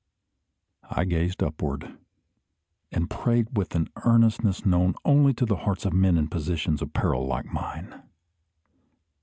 I gazed upward, and prayed with an earnestness known only to the hearts of men in positions of peril like mine.